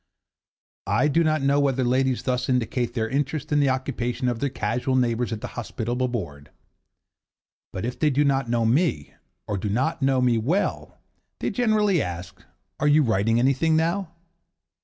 I do not know whether ladies thus indicate their interest in the occupations of their casual neighbours at the hospitable board. But if they do not know me, or do not know me well, they generally ask 'Are you writing anything now?